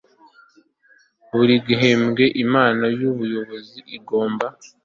Buri gihembwe Inama y Ubuyobozi igomba